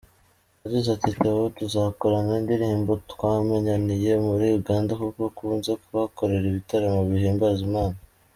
Yagize ati “Theo tuzakorana indirimbo, twamenyaniye muri Uganda kuko akunze kuhakorera ibitaramo bihimbaza Imana.